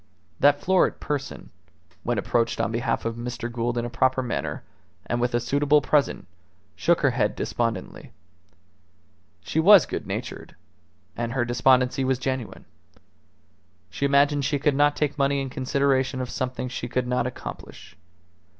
That florid person, when approached on behalf of Mr. Gould in a proper manner, and with a suitable present, shook her head despondently. She was good natured, and her despondency was genuine. She imagined she could not take money in consideration of something she could not accomplish.